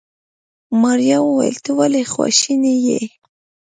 ماريا وويل ته ولې خواشيني يې.